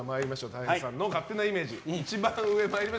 たい平さんの勝手なイメージ。